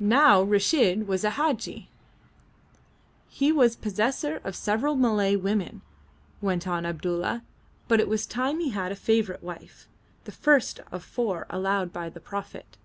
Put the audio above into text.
Now Reshid was a Hadji. He was possessor of several Malay women, went on Abdulla, but it was time he had a favourite wife, the first of the four allowed by the Prophet.